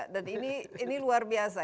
dan ini luar biasa